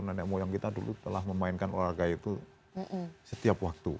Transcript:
nenek moyang kita dulu telah memainkan olahraga itu setiap waktu